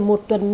một loại nhỏ hơn